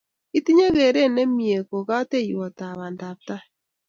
Itinye keret ne mie ko kateiywotap pandaptai